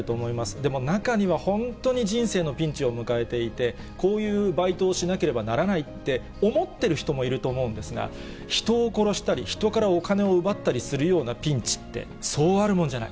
でも中には本当に人生のピンチを迎えていて、こういうバイトをしなければならないって思ってる人もいると思うんですが、人を殺したり、人からお金を奪ったりするようなピンチって、そうあるもんじゃない。